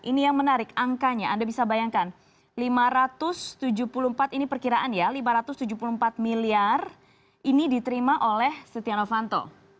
ini yang menarik angkanya anda bisa bayangkan lima ratus tujuh puluh empat ini perkiraan ya lima ratus tujuh puluh empat miliar ini diterima oleh setia novanto